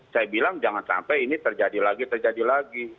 saya bilang jangan sampai ini terjadi lagi terjadi lagi